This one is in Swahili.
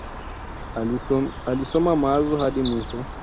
aliisoma mwanzo hadi mwisho